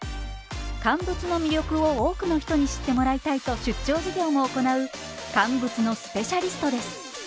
乾物の魅力を多くの人に知ってもらいたいと出張授業も行う乾物のスペシャリストです。